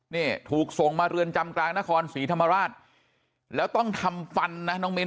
นี่ถูกส่งมาเรือนจำกลางนครศรีธรรมราชแล้วต้องทำฟันนะน้องมิ้น